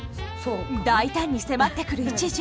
大胆に迫ってくる一条。